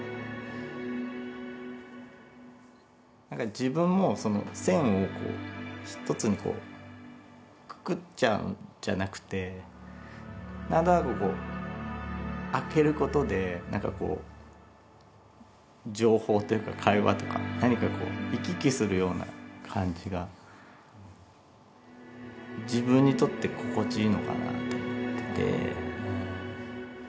自分もその線を一つにこうくくっちゃうんじゃなくてなんとなくこうあけることでなんかこう情報というか会話とか何か行き来するような感じが自分にとって心地いいのかなと思ってて。